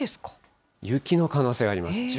雪の可能性があります。